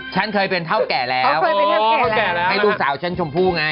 ฉันเคยเป็นเท่าแก่แล้วเคยเป็นเท่าแก่แล้วให้ลูกสาวฉันชมพู่ไง